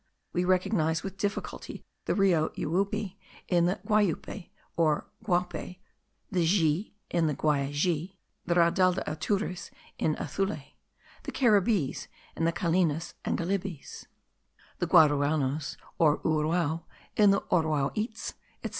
We recognize with difficulty the Rio Uaupe in the Guaupe or Guape; the Xie, in the Guaicia; the Raudal de Atures, in Athule; the Caribbees, in the Calinas and Galibis; the Guaraunos or Uarau, in the Oaraw its; etc.